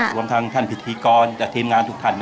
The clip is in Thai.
รวมทั้งท่านผีธิกรเต็มงานทุกท่าน